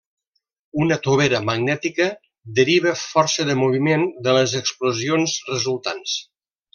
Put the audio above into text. Una tovera magnètica deriva força de moviment de les explosions resultants.